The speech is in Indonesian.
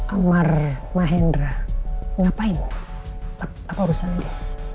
amar mahendra ngapain apa urusan dia